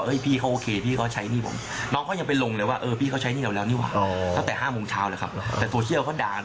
เรื่องการลงการเงินของพวกเขา